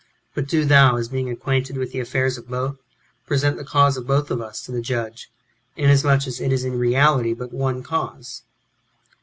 But do thou, as being acquainted with the affairs of both, present the cause of both of us to the judge, inasmuch as it is in reality but one cause."